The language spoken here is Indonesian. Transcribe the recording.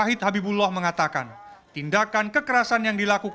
keadaan ag glen sis aeromer lbhb bekerja lebih baik